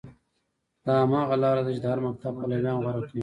دا هماغه لاره ده چې د هر مکتب پلویان غوره کوي.